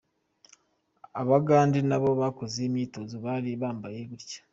Abagande nabo bakoze imyitozo bari bambaye gutya